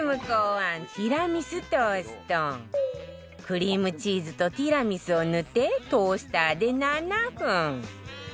クリームチーズとティラミスを塗ってトースターで７分